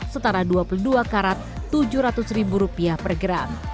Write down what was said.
setara dua puluh dua karat tujuh ratus ribu rupiah per gram